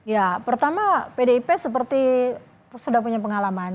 ya pertama pdip seperti sudah punya pengalaman